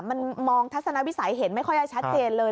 มันมองทัศนวิสัยเห็นไม่ค่อยได้ชัดเจนเลย